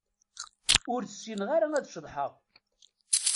Ur ssineɣ ara ad ceḍḥeɣ.